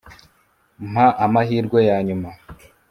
mpa amahirwe ya nyuma,